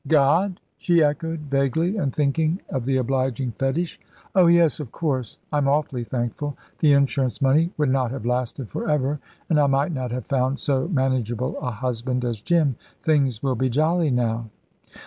"God," she echoed, vaguely, and thinking of the obliging fetish. "Oh yes, of course. I'm awfully thankful. The insurance money would not have lasted for ever, and I might not have found so manageable a husband as Jim. Things will be jolly now."